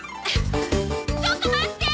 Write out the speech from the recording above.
ちょっと待って！